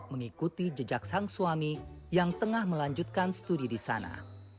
mengikuti jejak sang suami yang tengah melanjutkan studi di sana